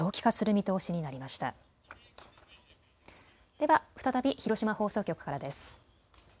では、再び広島放送局からです。